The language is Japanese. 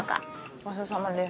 ごちそうさまです。